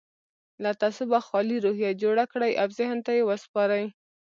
له تعصبه خالي روحيه جوړه کړئ او ذهن ته يې وسپارئ.